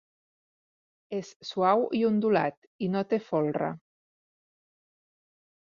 És suau i ondulat, i no té folre.